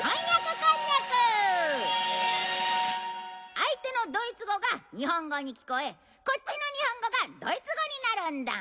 相手のドイツ語が日本語に聞こえこっちの日本語がドイツ語になるんだ。